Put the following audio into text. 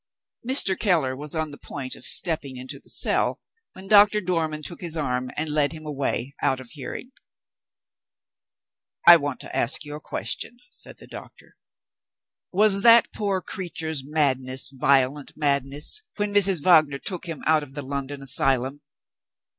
Mr. Keller was on the point of stepping into the cell, when Doctor Dormann took his arm, and led him away out of hearing. "I want to ask you a question," said the doctor. "Was that poor creature's madness violent madness, when Mrs. Wagner took him out of the London asylum?"